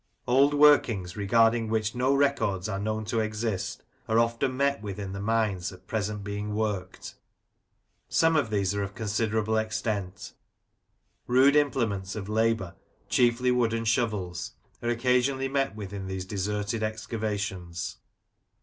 Old workings, regarding which no records are known to 86 Lancashire Characters and Places. exist, are often met with in the mines at present being worked. Some of these are of considerable extent Rude implements of labour, chiefly wooden shovels, are occasionally met with in these deserted excavations.